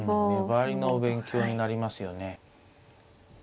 粘りの勉強になりますよね。